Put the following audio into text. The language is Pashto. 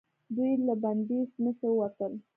دوئ له بندې سمڅې ووتل.